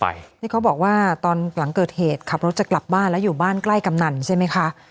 นี่เขาบอกว่าตอนหลังเกิดเหตุขับรถจะกลับบ้านแล้วอยู่บ้านใกล้กำนันใช่ไหมคะ